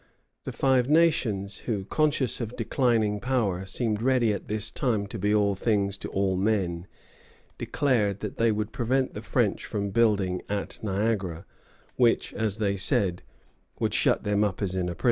The Five Nations, who, conscious of declining power, seemed ready at this time to be all things to all men, declared that they would prevent the French from building at Niagara, which, as they said, would "shut them up as in a prison."